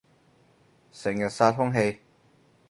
成日殺空氣